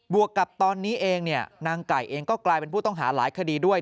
วกกับตอนนี้เองนางไก่เองก็กลายเป็นผู้ต้องหาหลายคดีด้วย